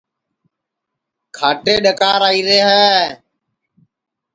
کھاٹے ڈؔکار آئیرے ہے